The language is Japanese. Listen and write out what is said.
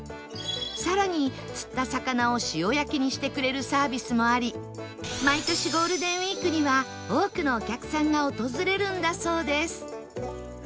更に釣った魚を塩焼きにしてくれるサービスもあり毎年ゴールデンウィークには多くのお客さんが訪れるんだそうです